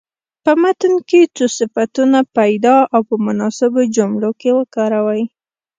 په متن کې څو صفتونه پیدا او په مناسبو جملو کې وکاروئ.